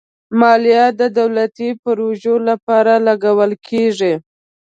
مالیه د دولتي پروژو لپاره لګول کېږي.